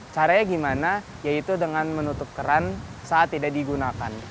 caranya gimana yaitu dengan menutup keran saat tidak digunakan